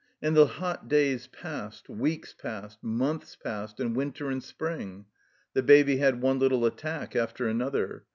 And the hot days passed; weeks passed; months passed, and winter and spring. The Baby had one little attack after another.